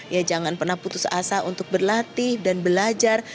ya jangan pernah putus asa untuk berlatih dan belajar